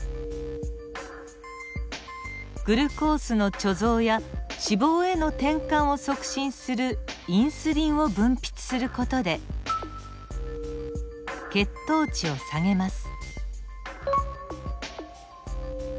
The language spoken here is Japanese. グルコースの貯蔵や脂肪への転換を促進するインスリンを分泌する事で血糖値を下げます。